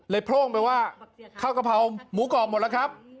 โพร่งไปว่าข้าวกะเพราหมูกรอบหมดแล้วครับ